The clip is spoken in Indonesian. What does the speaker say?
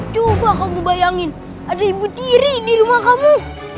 coba kamu bayangin ada ibu tiri di rumah kamu